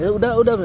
ya sudah sudah